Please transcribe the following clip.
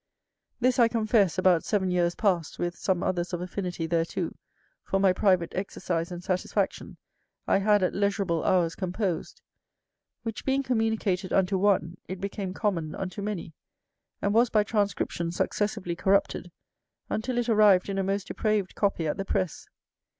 This I confess, about seven years past, with some others of affinity thereto, for my private exercise and satisfaction, I had at leisurable hours composed; which being communicated unto one, it became common unto many, and was by transcription successively corrupted, until it arrived in a most depraved copy at the press.